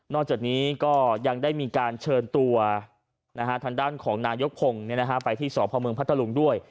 จากนี้ก็ยังได้มีการเชิญตัวทางด้านของนายกพงศ์ไปที่สพเมืองพัทธลุงด้วย